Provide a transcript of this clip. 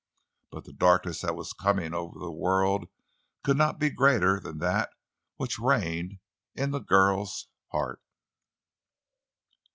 But the darkness that was coming over the world could not be greater than that which reigned in the girl's heart.